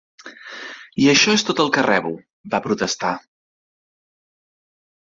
"I això és tot el que rebo", va protestar.